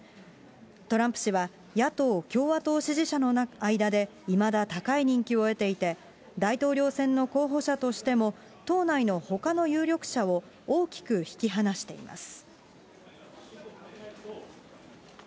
トランプ氏は、野党・共和党支持者の間でいまだ高い人気を得ていて、大統領選の候補者としても、党内のほかの有力者を大きく引き離しています。